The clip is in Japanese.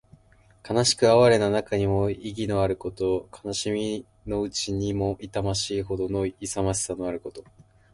悲しく哀れな中にも意気のあること。悲しみのうちにも痛ましいほどの勇ましさのあること。